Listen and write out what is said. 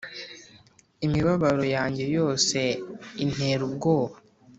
imibabaro yanjye yose intera ubwoba,